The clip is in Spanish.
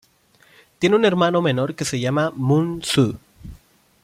Tiene un hermano menor que se llama Moon-soo.